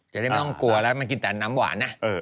จะได้ไม่ต้องกลัวแล้วมันกินแต่น้ำหวานนะ